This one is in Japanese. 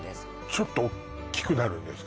ちょっと大きくなるんですか？